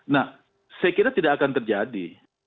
nah saya kira tidak akan terjadi